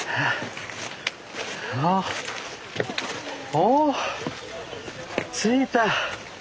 おお着いた！